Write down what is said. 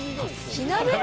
火鍋？